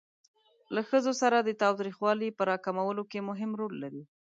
له ښځو سره د تاوتریخوالي په را کمولو کې مهم رول لري.